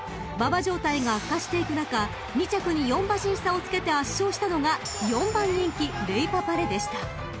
［馬場状態が悪化していく中２着に４馬身差をつけて圧勝したのが４番人気レイパパレでした］